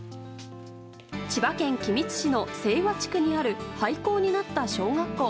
千葉県君津市の清和地区にある廃校になった小学校。